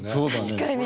確かに！